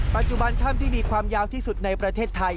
ปัจจุบันถ้ำที่มีความยาวที่สุดในประเทศไทย